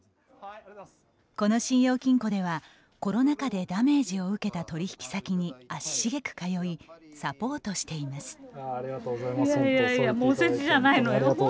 この信用金庫ではコロナ禍でダメージを受けた取引先に足しげく通いサポートしています。